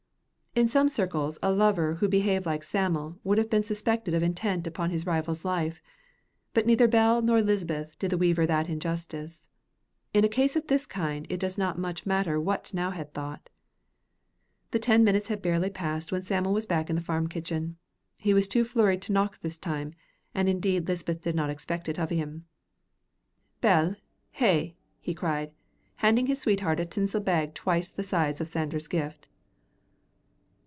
In some circles a lover who behaved like Sam'l would have been suspected of intent upon his rival's life, but neither Bell nor Lisbeth did the weaver that injustice. In a case of this kind it does not much matter what T'nowhead thought. The ten minutes had barely passed when Sam'l was back in the farm kitchen. He was too flurried to knock this time, and indeed Lisbeth did not expect it of him. "Bell, hae!" he cried, handing his sweetheart a tinsel bag twice the size of Sanders' gift.